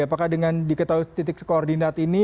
apakah dengan diketahui titik koordinat ini